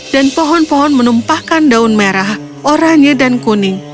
dan pohon pohon menumpahkan daun merah oranye dan kuning